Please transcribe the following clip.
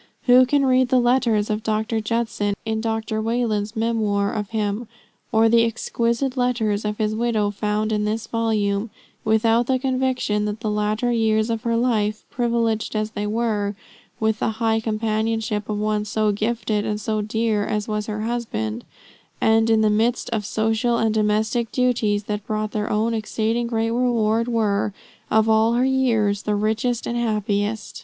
Who can read the letters of Dr. Judson, in Dr. Wayland's memoir of him, or the exquisite letters of his widow found in this volume, without the conviction that the latter years of her life, privileged as they were with the high companionship of one so gifted and so dear as was her husband, and in the midst of social and domestic duties that brought their own exceeding great reward, were, of all her years, the richest and the happiest!